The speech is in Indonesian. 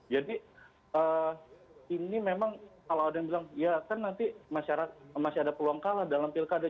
jadi ini memang kalau ada yang bilang ya kan nanti masih ada peluang kalah dalam pilkada